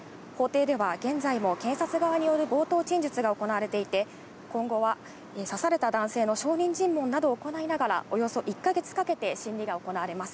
法廷では現在も検察側による冒頭陳述が行われていて、今後は刺された男性の証人尋問などを行いながら、およそ１か月かけて審理が行われます。